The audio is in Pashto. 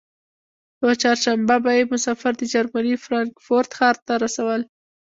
یوه چهارشنبه به یې مسافر د جرمني فرانکفورت ښار ته رسول.